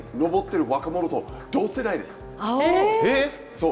そう。